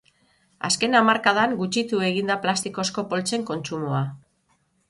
Azken hamarkadan, gutxitu egin da plastikozko poltsen kontsumoa.